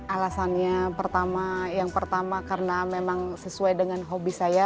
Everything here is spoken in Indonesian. alasannya yang pertama karena memang sesuai dengan hobi saya